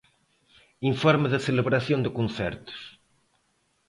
Informe de celebración de concertos.